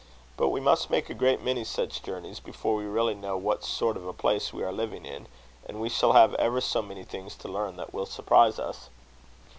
But we must make a great many such journeys before we really know what sort of a place we are living in; and we shall have ever so many things to learn that will surprise us."